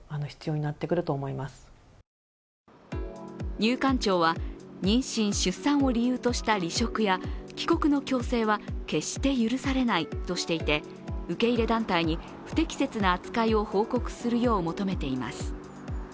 入管庁は、妊娠・出産を理由とした離職や帰国の強制は決して許されないとしていて受け入れ団体に不適切な扱いを報告するよう求めています。